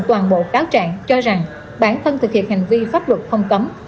toàn bộ cáo trạng cho rằng bản thân thực hiện hành vi pháp luật không cấm